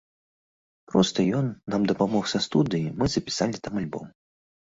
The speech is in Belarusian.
Проста ён нам дапамог са студыяй, мы запісалі там альбом.